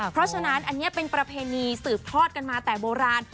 เพราะฉะนั้นอันนี้เป็นประเพณีสืบทอดกันมาแต่โบราณ